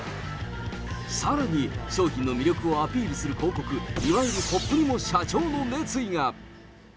さらに、商品の魅力をアピールする広告、いわゆるポップにも社長の熱意が。